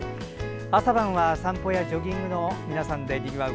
朝晩は散歩やジョギングの皆さんでにぎわう